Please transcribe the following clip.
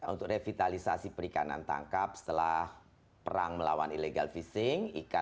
untuk revitalisasi perikanan tangkap setelah perang melawan illegal fishing